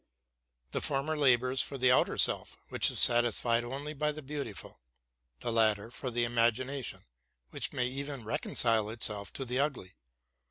The former labors for the outer sense, which is satisfied only by the beautiful; the latter for the imagination, which may even reconcile ele to the ugly.